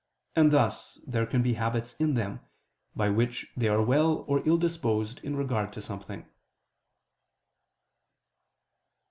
And thus there can be habits in them, by which they are well or ill disposed in regard to something.